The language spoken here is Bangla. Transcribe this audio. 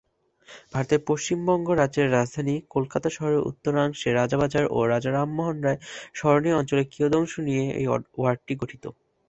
ভারতের পশ্চিমবঙ্গ রাজ্যের রাজধানী কলকাতা শহরের উত্তরাংশে রাজাবাজার ও রাজা রামমোহন রায় সরণি অঞ্চলের কিয়দংশ নিয়ে এই ওয়ার্ডটি গঠিত।